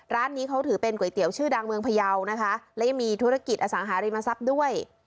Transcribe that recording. ร้านนี้เขาถือเป็นก๋วยเตี๋ยวชื่อดังเมืองพยาวนะคะและยังมีธุรกิจอสังหาริมทรัพย์ด้วย